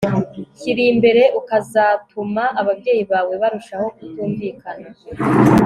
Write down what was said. kiri imbere ukazatuma ababyeyi bawe barushaho kutumvikana